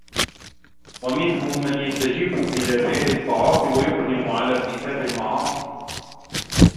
وَمِنْهُمْ مَنْ يَسْتَجِيبُ إلَى فِعْلِ الطَّاعَاتِ وَيُقْدِمُ عَلَى ارْتِكَابِ الْمَعَاصِي